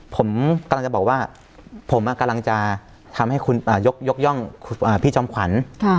ผมกำลังจะบอกว่าผมกำลังจะทำให้คุณยกย่องพี่จอมขวัญ